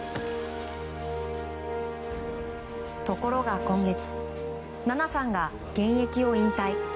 ところが今月菜那さんが現役を引退。